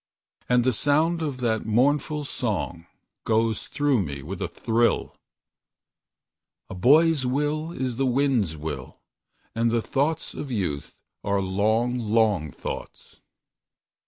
And the sound of that mournful song Goes through me with a thrill: "A boy's will is the wind's will, And the thoughts of youth are long, long thoughts."